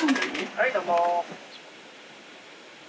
はいどうも。